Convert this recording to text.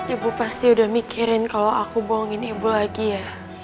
ibu pasti udah mikirin kalau aku buangin ibu lagi ya